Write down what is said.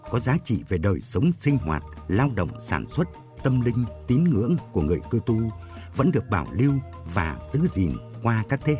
có giá trị về đời sống sinh hoạt lao động sản xuất tâm linh tín ngưỡng của người cư tu vẫn được bảo lưu và giữ gìn qua các thế hệ